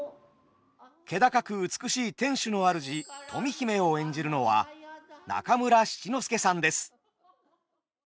気高く美しい天守の主富姫を演じるのは中村七之助さんです。